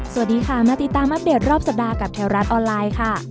สวัสดีค่ะมาติดตามอัปเดตรอบสัปดาห์กับแถวรัฐออนไลน์ค่ะ